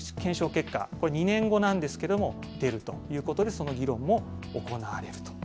結果、これ、２年後なんですけれども、出るということで、その議論も行われると。